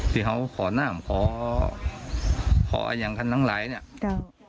ที่เขาขอขออาญังคันทั้งหลายเนี่ย